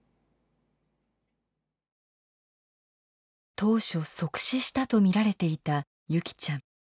当初即死したと見られていた優希ちゃん。